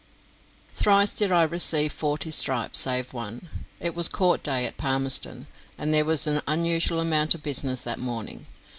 "Thrice did I receive forty stripes, save one." It was court day at Palmerston, and there was an unusual amount of business that morning.